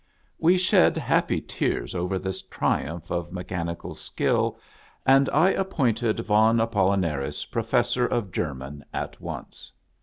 We shed happy tears over this triumph of mechan ical skill, and I appointed Von Apollinaris Professor of German at once.